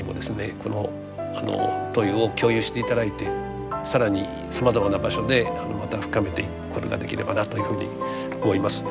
この問いを共有して頂いて更にさまざまな場所でまた深めていくことができればなというふうに思います。